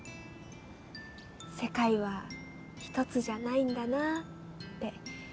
世界は一つじゃないんだなって。